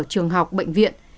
trường học bệnh viện